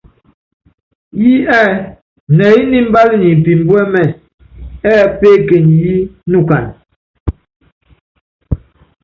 Yí ɛ́ɛ nɛɛyɛ́ ni imbal nyɛ pimbuɛ́mɛ, ɛ́ɛ peekenyi yí nukany.